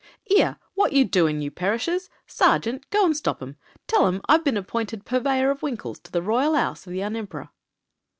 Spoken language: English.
"* 'Ere, wot yer doing, you perishers ? Sargint, go and stop *em. Tell *em I've been appointed purveyor of winkles to the Royal 'Ouse of the 'Uh Emperor.'